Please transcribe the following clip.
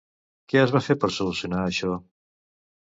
Què es va fer per solucionar això?